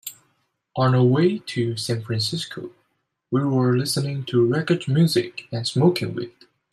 On our way to San Francisco, we were listening to reggae music and smoking weed.